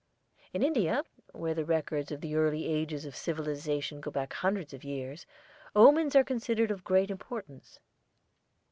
In India, where the records of the early ages of civilization go back hundreds of years, omens are considered of great importance.